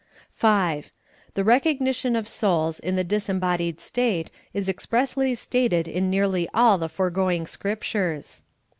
V. The recognition of souU in the disembodied state is expressly stated in nearly all the foregoing Script ures.